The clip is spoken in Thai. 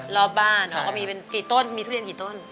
หลอบบ้านกี่ต้นมีทุเรียนกี่ต้น